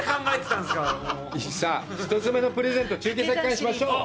さあ、１つ目のプレゼント、中継先からしましょう。